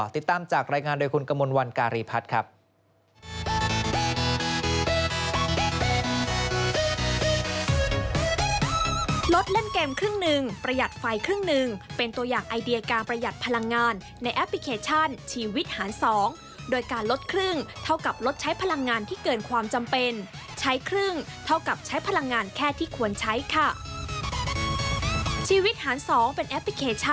ติดตามจากรายงานโดยคุณกมลวันการีพัฒน์ครับ